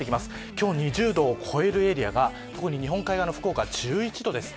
今日２０度を超えるエリアが日本海側の福岡、１１度です。